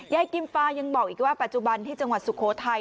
กิมฟายังบอกอีกว่าปัจจุบันที่จังหวัดสุโขทัย